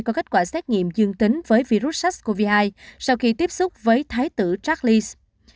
có kết quả xét nghiệm dương tính với virus sars cov hai sau khi tiếp xúc với thái tử track leas